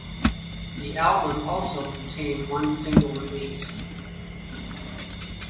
The album also contained one single release.